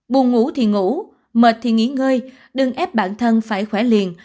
buồn ngủ thì ngủ mệt thì nghỉ ngơi đừng ép bản thân phải khoe liền